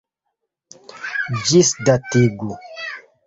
Ĝisdatigu!